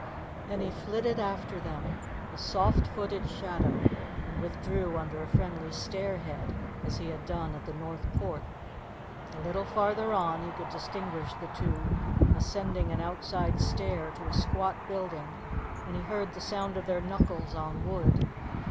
Then he flitted after them, a soft footed shadow, and withdrew under a friendly 'stairhead,' as he had done at the North Port. A little farther on he could distinguish the two ascending an outside stair to a squat building, and he heard the sound of their knuckles on wood.